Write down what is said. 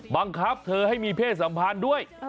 บังคับเธอให้มีเพศสัมพันธ์ด้วย